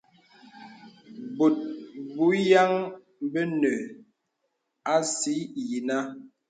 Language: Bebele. Bòt bùyaŋ bənə así yìnə.